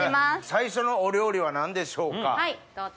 最初のお料理は何でしょうか？